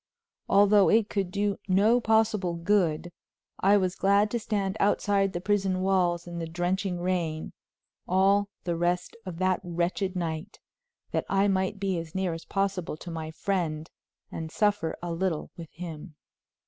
Although it could do no possible good, I was glad to stand outside the prison walls in the drenching rain, all the rest of that wretched night, that I might be as near as possible to my friend and suffer a little with him.